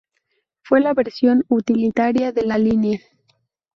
Fue la versión utilitaria de la línea.